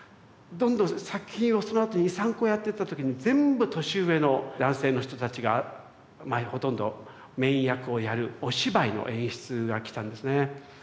どんどん作品をそのあと２３個やってった時に全部年上の男性の人たちがほとんどメイン役をやるお芝居の演出がきたんですね。